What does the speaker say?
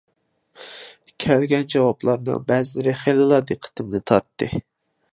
كەلگەن جاۋابلارنىڭ بەزىلىرى خېلىلا دىققىتىمنى تارتتى.